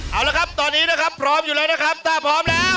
เอาละครับตอนนี้นะครับพร้อมอยู่แล้วนะครับถ้าพร้อมแล้ว